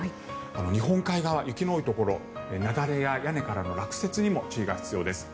日本海側、雪の多いところ雪崩や、屋根からの落雪にも注意が必要です。